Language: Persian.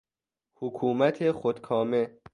حکومت خودکامه